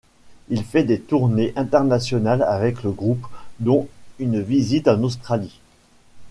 Il fait des tournées internationales avec le groupe, dont une visite en Australie.